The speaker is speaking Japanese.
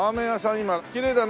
今きれいだね。